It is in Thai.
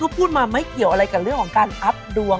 โอ้โหไม่ว่าพี่ไหวเข้ามาจอง